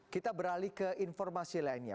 kita beralih ke informasi lainnya